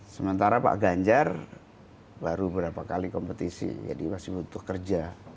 sementara pak ganjar baru berapa kali kompetisi jadi masih butuh kerja